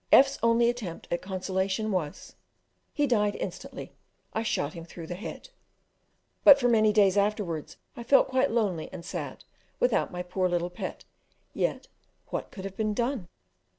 F 's only attempt at consolation was, "he died instantly; I shot him through the head." But for many days afterwards I felt quite lonely and sad without my poor little pet yet what could have been done?